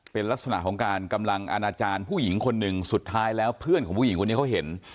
เป็นลักษณะของการกำลังอาณาจารย์ผู้หญิงคนหนึ่งสุดท้ายแล้วเพื่อนของผู้หญิงคนนี้เขาเห็น